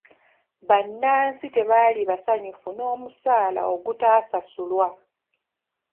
Bannansi tebaali basanyufu n'omusaala ogutaasasulwa.